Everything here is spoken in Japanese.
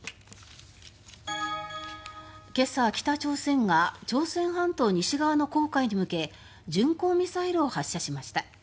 今朝、北朝鮮が朝鮮半島西側の黄海に向け巡航ミサイルを発射しました。